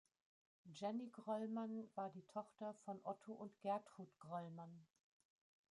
Jenny Gröllmann war die Tochter von Otto und Gertrud Gröllmann.